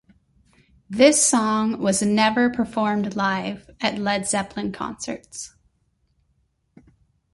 This song was never performed live at Led Zeppelin concerts.